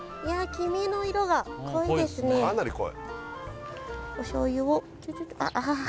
黄身の色が濃いですねあっああ